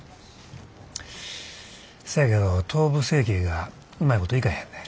せやけど頭部成形がうまいこといかへんねん。